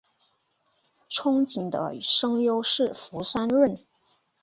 憧憬的声优是福山润。